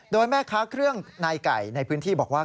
โดยแม่ค้าเครื่องนายไก่ในพื้นที่บอกว่า